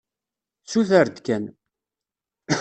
Suter-d kan.